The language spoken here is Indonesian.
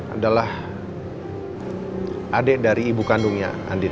adalah adik dari ibu kandungnya